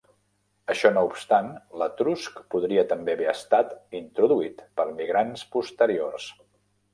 Això no obstant, l'etrusc podria també haver estat introduït per migrants posteriors.